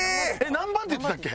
何番って言ってたっけ？